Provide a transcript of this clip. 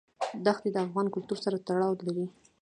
دښتې د افغان کلتور سره تړاو لري.